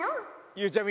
ゆうちゃみ